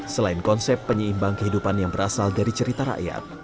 selain konsep penyeimbang kehidupan yang berasal dari cerita rakyat